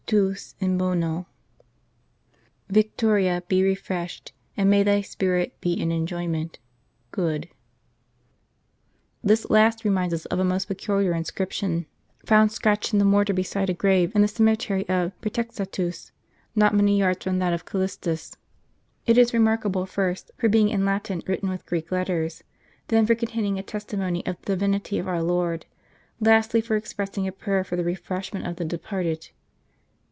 TVS IN BONO " Victoria, be refreshed, and may thy spirit be in enjoyment " (good). * That of SS. Nereus and Achilleus. This last reminds us of a most peculiar inscription found scratched in the mortar beside a grave in the cemetery of Pr^etextatus, not many yards from that of Callistus. It is remarkable, first, for being in Latin written with Greek letters; then, for containing a testimony of the Divinity of our Lord ; lastly, for expressing a prayer for the refreshment of the departed.